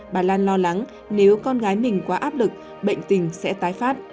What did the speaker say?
bà lan lo lắng nếu con gái mình quá áp lực bệnh tình sẽ tái phát